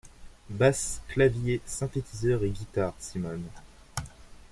Basse, claviers, synthétiseurs et guitares: Simone.